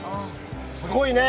すごいね。